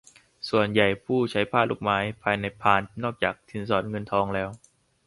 ส่วนใหญ่ใช้ผ้าลูกไม้ ภายในพานนอกจากสินสอดเงินทองแล้ว